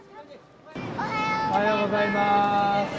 おはようございます。